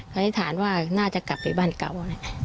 นิษฐานว่าน่าจะกลับไปบ้านเก่า